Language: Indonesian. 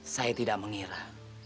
saya tidak mengira